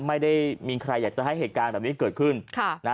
ไม่ได้มีใครอยากจะให้เหตุการณ์แบบนี้เกิดขึ้น